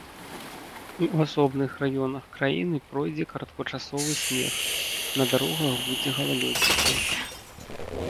У асобных раёнах краіны пройдзе кароткачасовы снег, на дарогах будзе галалёдзіца.